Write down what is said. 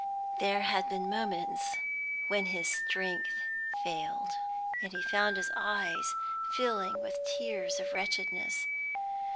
There had been moments when his strength failed, and he found his eyes filling with tears of wretchedness.